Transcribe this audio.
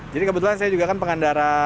jadi kebetulan saya juga kan pengendara